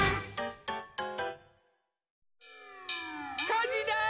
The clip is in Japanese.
・かじだ！